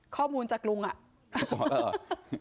ข้อมูลจากลุงอ่ะ